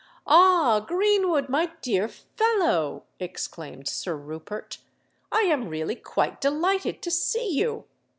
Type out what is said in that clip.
"Ah! Greenwood, my dear fellow," exclaimed Sir Rupert; "I am really quite delighted to see you.